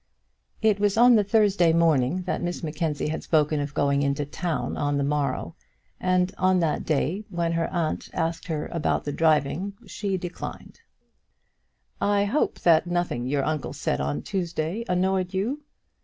It was on the Thursday morning that Miss Mackenzie had spoken of going into town on the morrow, and on that day when her aunt asked her about the driving, she declined. "I hope that nothing your uncle said on Tuesday annoyed you?"